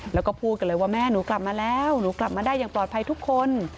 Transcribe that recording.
แล้วก็พูดกันเลยว่าแม่หนูกลับมาแล้วหนูกลับมาได้อย่างปลอดภัยทุกคน